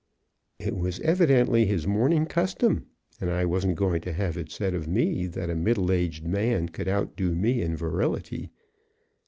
It was evidently his morning custom and I wasn't going to have it said of me that a middle aged man could outdo me in virility.